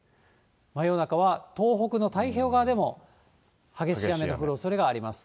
真夜中は東北の太平洋側でも激しい雨が降るおそれがあります。